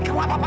kamu apa pan